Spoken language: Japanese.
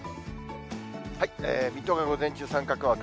水戸が午前中、三角マーク。